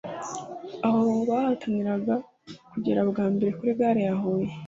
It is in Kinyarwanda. aho bahataniraga kugera bwa mbere kuri Gare ya Huye